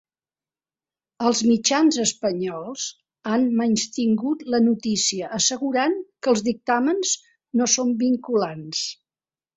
Els mitjans espanyols han menystingut la notícia assegurant que els dictàmens no són vinculants.